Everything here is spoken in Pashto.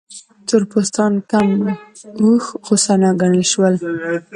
تور پوستان کم هوښ، غوسه ناک ګڼل شول.